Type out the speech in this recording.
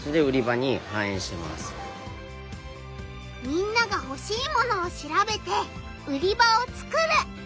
みんながほしい物を調べて売り場を作る。